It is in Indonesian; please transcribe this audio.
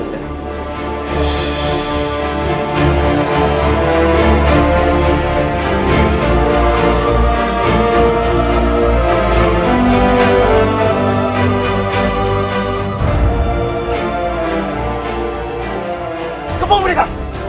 dan ia juga sempat memarahi diri